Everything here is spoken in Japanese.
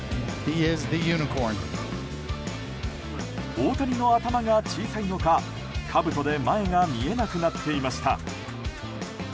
大谷の頭が小さいのかかぶとで前が見えなくなっていました。